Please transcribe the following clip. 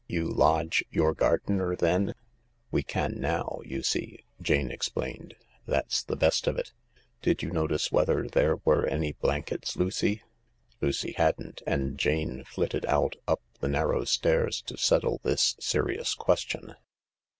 " You lodge your gardener then ?" "We can now, you see," Jane explained. "That's the best of it. Did you notice whether there were any blankets, Lucy?" Lucy hadn't, and Jane flitted out up the narrow stairs to settle this serious question.